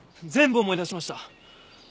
全部思い出しました。